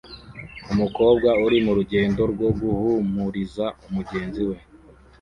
Umukobwa uri murugendo rwo guhumuriza mugenzi we